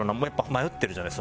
迷ってるじゃない？